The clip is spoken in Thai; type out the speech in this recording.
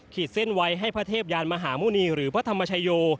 เส้นไว้ให้พระเทพยานมหาหมุณีหรือพระธรรมชโย